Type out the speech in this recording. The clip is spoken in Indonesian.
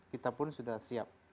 kita pun sudah siap